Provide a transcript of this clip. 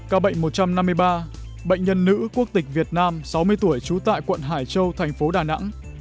ca bệnh một trăm năm mươi ba bệnh nhân nữ quốc tịch việt nam sáu mươi tuổi trú tại quận hải châu thành phố đà nẵng